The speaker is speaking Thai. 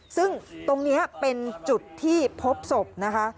ซึ่งตรงนี้เป็นจุดที่พบศพนะคะ